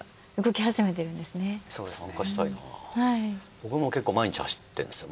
僕も結構毎日走ってるんですよ。